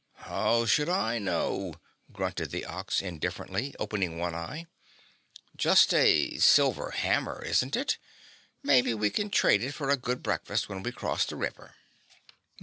"How should I know?" grunted the Ox indifferently, opening one eye. "Just a silver hammer, isn't it? Maybe we can trade it for a good breakfast when we cross the river."